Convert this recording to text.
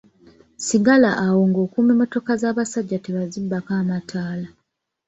Sigala awo ng'okuuma emmotoka z'abasajja tebazibbako amataala.